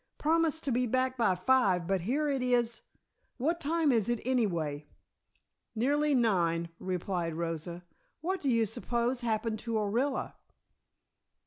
Promised to be back by five but here it is What time is it, anyway?" "Nearly nine," replied Rosa. "What do you suppose happened to Orilla?"